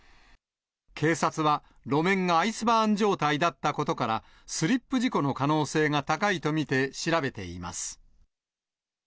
警察は、路面がアイスバーン状態だったことから、スリップ事故の可能性が高いと見て調べています。